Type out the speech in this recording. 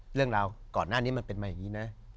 เรื่องราวก่อนหน้านี้มันเป็นมาอย่างนี้นะ